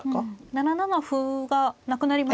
７七歩がなくなりましたね。